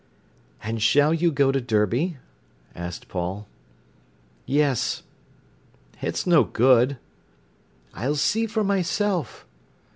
"And shall you go to Derby?" asked Paul. "Yes." "It's no good." "I'll see for myself."